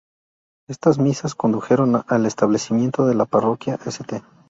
Estas misas condujeron al establecimiento de la parroquia St.